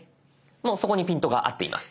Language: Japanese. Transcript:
もうそこにピントが合っています。